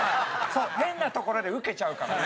そう変なところでウケちゃうからね。